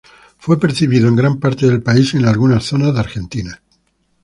Fue percibido en gran parte del país y en algunas zonas de Argentina.